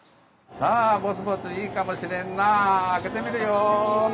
さあぼつぼついいかもしれんなあ開けてみるよ。